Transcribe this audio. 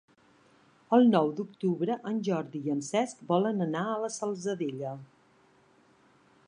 El nou d'octubre en Jordi i en Cesc volen anar a la Salzadella.